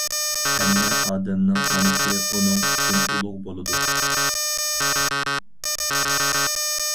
ھەممە ئادەمنىڭ ئانىسى ئۇنىڭ ئۈچۈن ئۇلۇغ بولىدۇ.